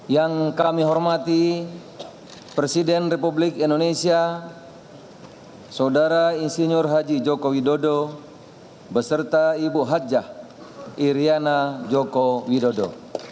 yang kami hormati presiden republik indonesia saudara insinyur haji joko widodo beserta ibu hajah iryana joko widodo